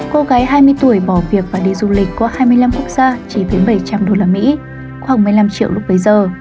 cô gái hai mươi tuổi bỏ việc và đi du lịch qua hai mươi năm quốc gia chỉ với bảy trăm linh usd khoảng một mươi năm triệu lúc bấy giờ